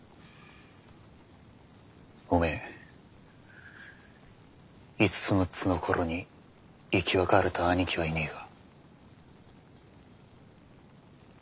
おめえ５つ６つの頃に生き別れた兄貴はいねえか？